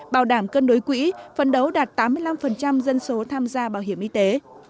bảo đảm cân đối quỹ phân đấu đạt tám mươi năm dân số tham gia bảo hiểm y tế